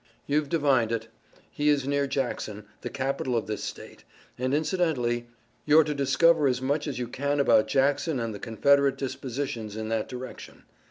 "You've divined it. He is near Jackson, the capital of this state, and, incidentally, you're to discover as much as you can about Jackson and the Confederate dispositions in that direction.